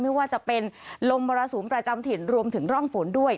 ไม่ว่าจะเป็นลมมรสุมประจำถิ่นรวมถึงร่องฝนด้วย